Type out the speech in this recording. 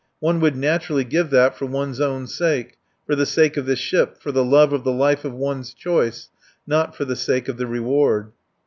One would naturally give that for one's own sake, for the sake of the ship, for the love of the life of one's choice; not for the sake of the reward.